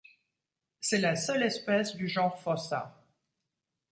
C'est la seule espèce du genre Fossa.